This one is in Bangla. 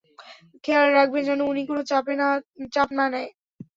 খেয়াল রাখবেন যেন উনি কোনো চাপ না নেয়।